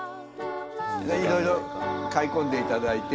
いろいろ買い込んで頂いて。